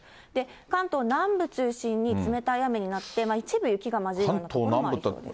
関東南部中心に冷たい雨になって、一部雪が混じるような所もあります。